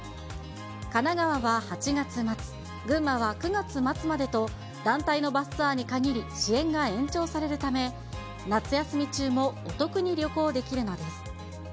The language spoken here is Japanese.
神奈川は８月末、群馬は９月末までと、団体のバスツアーに限り、支援が延長されるため、夏休み中もお得に旅行できるのです。